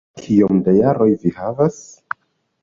Kiom da jaroj vi havas?